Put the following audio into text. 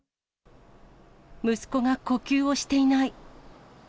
息子が呼吸をしていない。